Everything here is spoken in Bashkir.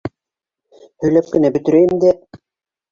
- Һөйләп кенә бөтөрәйем дә...